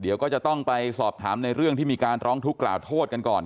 เดี๋ยวก็จะต้องไปสอบถามในเรื่องที่มีการร้องทุกข์กล่าวโทษกันก่อน